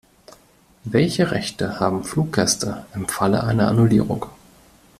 Welche Rechte haben Fluggäste im Falle einer Annullierung?